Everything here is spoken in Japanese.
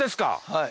はい。